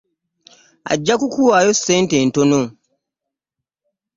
Ajja kukuwaayo ssente ntono.